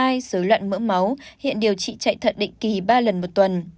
hai dối loạn mỡ máu hiện điều trị chạy thận định kỳ ba lần một tuần